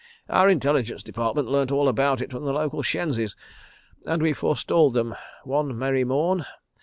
"Our Intelligence Department learnt all about it from the local shenzis, and we forestalled them one merry morn.